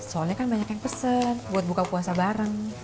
soalnya kan banyak yang pesen buat buka puasa bareng